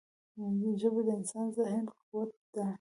ژبه د انساني ذهن قوت ده